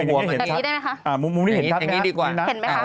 คุณผู้ชมจะได้เห็นกันนะ